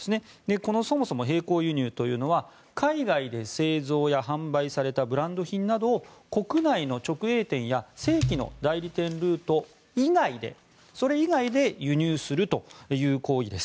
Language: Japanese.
このそもそも並行輸入というのは海外で製造・販売されたブランド品などを国内の直営店や正規の代理店ルート以外でそれ以外で輸入するという行為です。